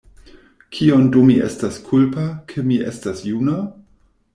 Kion do mi estas kulpa, ke mi estas juna?